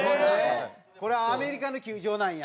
これアメリカの球場なんや。